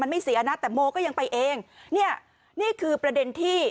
ไม่เสียนะแต่โมก็ยังไปเองเนี่ยนี่คือประเด็นที่